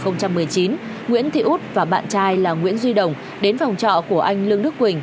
năm hai nghìn một mươi chín nguyễn thị út và bạn trai là nguyễn duy đồng đến phòng trọ của anh lương đức quỳnh